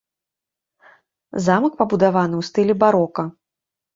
Замак пабудаваны ў стылі барока.